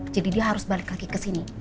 jadi dia harus balik lagi ke sini